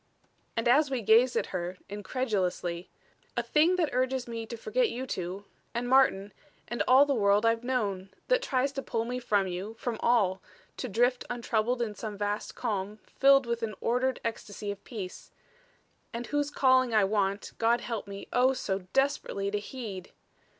And as we gazed at her, incredulously: "A thing that urges me to forget you two and Martin and all the world I've known. That tries to pull me from you from all to drift untroubled in some vast calm filled with an ordered ecstasy of peace. And whose calling I want, God help me, oh, so desperately to heed!